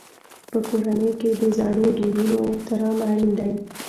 په کورنۍ کې د زړو دودونو احترام اړین دی.